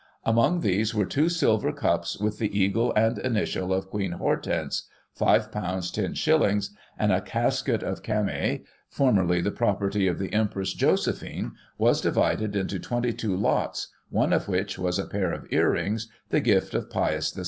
Among these were two silver cups, with the eagle and initial of Queen Hortense, £$ 10/ and a casket of camei, formerly the property of the Empress Josephine, was divided into 22 lots, one of which was a pair of earrings, the gift of Pius VI.